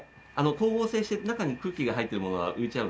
光合成して中に空気が入ってるものは浮いちゃうので。